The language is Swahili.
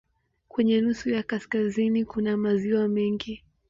Kwenye nusu ya kaskazini kuna maziwa mengi.